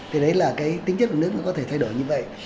thì đấy là cái tính chất của nước nó có thể thay đổi như vậy